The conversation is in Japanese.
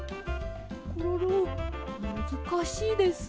コロロむずかしいですね。